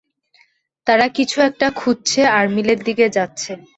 তারা কিছু একটা খুঁজছে, আর মিলের দিকে যাচ্ছে।